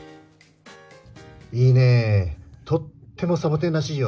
いいね、とってもサボテンらしいよ。